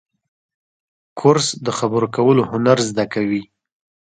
کورس د خبرو کولو هنر زده کوي.